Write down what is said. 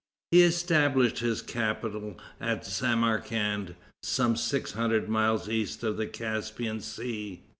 He established his capital at Samarcand, some six hundred miles east of the Caspian Sea.